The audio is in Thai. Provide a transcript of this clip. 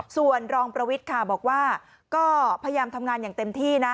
ส่วนรองประวิทย์ค่ะบอกว่าก็พยายามทำงานอย่างเต็มที่นะ